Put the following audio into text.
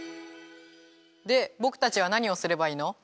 でぼくたちはなにをすればいいの？